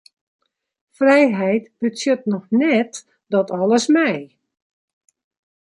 Frijheid betsjut noch net dat alles mei.